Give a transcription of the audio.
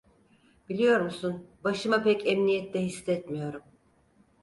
Biliyor musun, başımı pek emniyette hissetmiyorum…